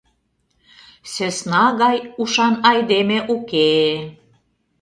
Сӧсна гай ушан айдеме уке...